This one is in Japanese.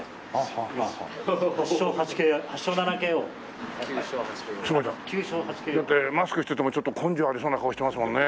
だってマスクしててもちょっと根性ありそうな顔してますもんね。